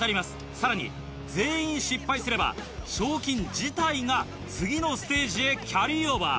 さらに全員失敗すれば賞金自体が次のステージへキャリーオーバー。